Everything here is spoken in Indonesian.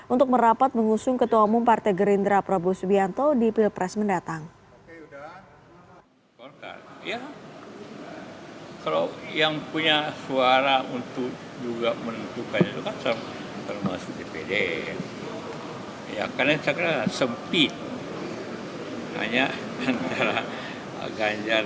untuk merapat mengusung ketua umum partai gerindra prabowo subianto di pilpres mendatang